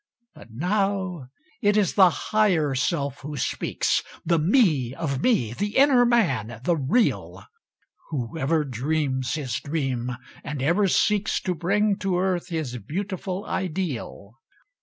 But now it is the Higher Self who speaks— The Me of me—the inner Man—the real— Whoever dreams his dream and ever seeks To bring to earth his beautiful ideal.